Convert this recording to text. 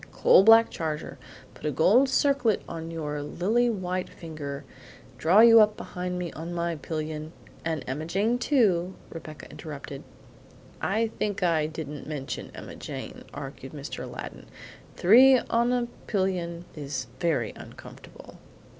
"Coal black charger; put a golden circlet on your lily white finger, draw you up behind me on my pillion" "And Emma Jane, too," Rebecca interrupted. "I think I didn't mention Emma Jane," argued Mr. Aladdin. "Three on a pillion is very uncomfortable.